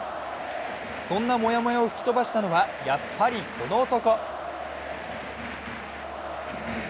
そんなもやもやを吹き飛ばしたのは、やっぱりこの男。